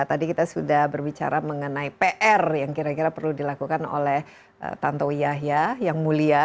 tadi kita sudah berbicara mengenai pr yang kira kira perlu dilakukan oleh tantowi yahya yang mulia